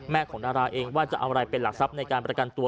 ของดาราเองว่าจะเอาอะไรเป็นหลักทรัพย์ในการประกันตัว